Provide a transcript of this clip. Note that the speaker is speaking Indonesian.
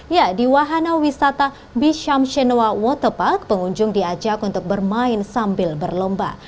ya di wahana wisata bishamshenua waterpark pengunjung diajak untuk bermain sambil berlomba